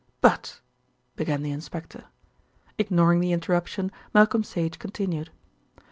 "But " began the inspector. Ignoring the interruption Malcolm Sage continued.